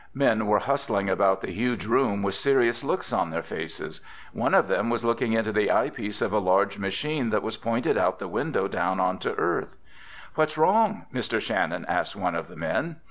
Men were hustling about the huge room with serious looks on their faces. One of them was looking into the eyepiece of a large machine that was pointed out the window down onto Earth. "What's wrong?" Mr. Shannon asked one of the men.